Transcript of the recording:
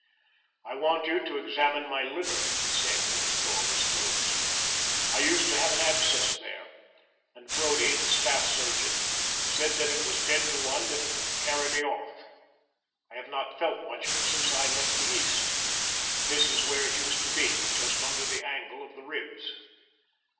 "I want you to examine my liver," he said when the door was closed. "I used to have an abscess there, and Brodie, the staff surgeon, said that it was ten to one that it would carry me off. I have not felt much of it since I left the East. This is where it used to be, just under the angle of the ribs."